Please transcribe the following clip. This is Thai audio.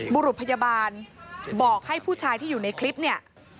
บุรุษพยาบาลบอกให้ผู้ชายที่อยู่ในคลิปเนี่ย